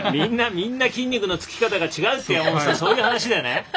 みんな筋肉のつき方が違うって、山本さんそういう話だよね。